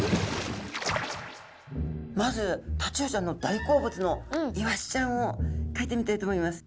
まずタチウオちゃんの大好物のイワシちゃんをかいてみたいと思います。